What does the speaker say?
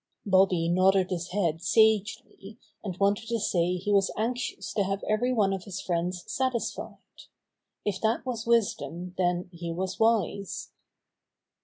Bobby nodded his head sagely, and wanted to say he was anxious to have every one of his friends satisfied. If that was wisdom then he was wise.